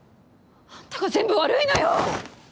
あんたが全部悪いのよ！